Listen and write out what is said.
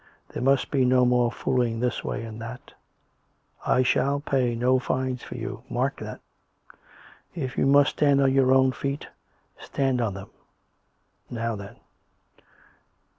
There must be no more fooling this way and that. I shall pay no fines for you — mark that ! If you must stand on your own feet, stand on them. ... Now then